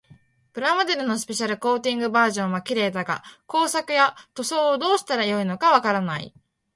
プラモデルのスペシャルコーティングバージョンは綺麗だが、工作や塗装をどうしたらよいのかわからない。